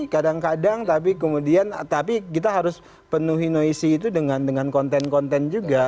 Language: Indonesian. kadang kadang tapi kemudian tapi kita harus penuhi noisi itu dengan konten konten juga